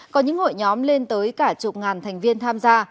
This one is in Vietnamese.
có những hội nhóm lên tới cả chục ngàn thành viên tham gia